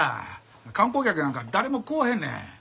観光客なんか誰も来おへんねん。